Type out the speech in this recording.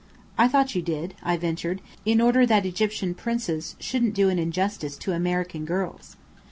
"I thought you did," I ventured, "in order that Egyptian princes shouldn't do injustice to American girls?"